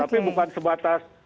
tapi bukan sebatas